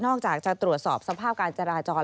อกจากจะตรวจสอบสภาพการจราจร